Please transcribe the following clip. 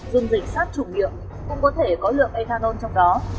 dùng dịch sát chủng nghiệm cũng có thể có lượng ethanol trong đó